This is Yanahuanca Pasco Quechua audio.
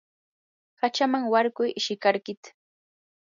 hachaman warkuy shikarkita.